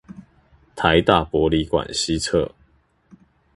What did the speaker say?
臺大博理館西側